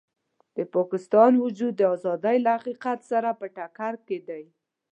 د پاکستان وجود د ازادۍ له حقیقت سره په ټکر کې دی.